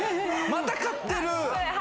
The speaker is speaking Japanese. また買ってる！